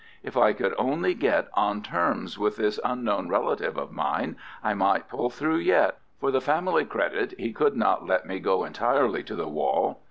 If I could only get on terms with this unknown relative of mine, I might pull through yet. For the family credit he could not let me go entirely to the wall.